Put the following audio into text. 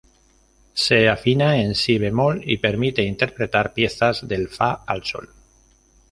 Se afina en si bemol y permite interpretar piezas del fa al sol.